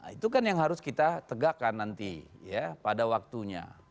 itu kan yang harus kita tegakkan nanti ya pada waktunya